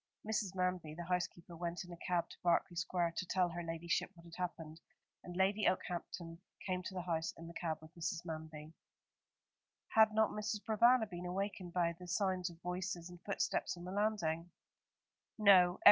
Mrs. Manby, the housekeeper, went in a cab to Berkeley Square to tell her ladyship what had happened, and Lady Okehampton came to the house in the cab with Mrs. Manby." "Had not Mrs. Provana been awakened by the sounds of voices and footsteps on the landing?" "No.